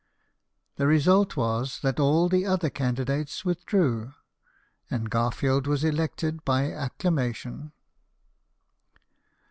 The result was that all the other candidates withdrew, and Garfield was elected by accla mation.